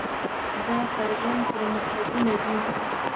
دا څرګند پرمختګونه دي.